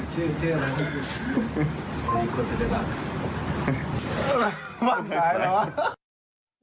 ชื่อชื่ออะไรไหมครับชื่ออีกคนจะได้บอกแน่ครับ